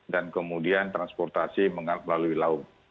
dan kemudian transportasi melalui laut